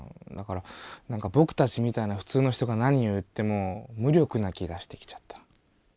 だからなんかぼくたちみたいなふつうの人が何を言っても無力な気がしてきちゃった。